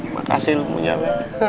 makasih lo mau nyampe